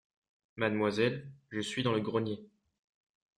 Mademoiselle, je suis dans le grenier…